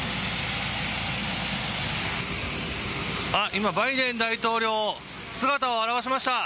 今、バイデン大統領姿を現しました。